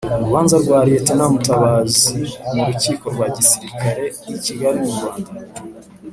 Urubanza rwa Lt Mutabazi m'urukiko rwa gisilikare i Kigali mu Rwanda.